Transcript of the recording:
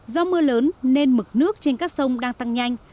do mưa lớn nên mực nước trên các sông đang tăng nhanh